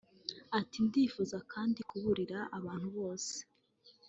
Ati “Ndifuza kandi kuburira abantu bose